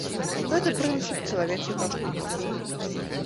Гэта прынцып чалавечай пакуты.